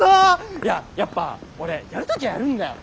いややっぱ俺やるときゃやるんだようん。